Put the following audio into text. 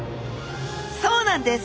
そうなんです！